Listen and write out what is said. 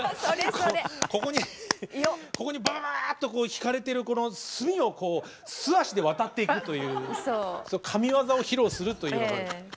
ここにババババッと敷かれている炭を素足で渡っていくという神業を披露するというような感じ。